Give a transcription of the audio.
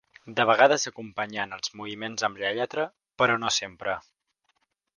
De vegades acompanyant els moviments amb la lletra, però no sempre.